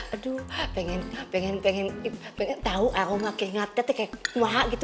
aduh pengen tahu aroma kayak ngartet kayak mwak gitu